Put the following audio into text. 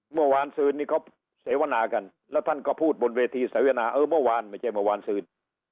เมื่อคืนนี้เขาเสวนากันแล้วท่านก็พูดบนเวทีเสวนาเออเมื่อวานไม่ใช่เมื่อวานซืน